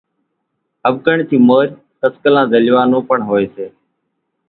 ۿٻڪڻ ٿِي مورِ ڪسڪلان زلوِيا نون پڻ هوئيَ سي۔